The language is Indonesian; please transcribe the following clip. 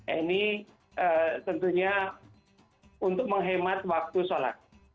ini tentunya untuk menghemat waktu sholat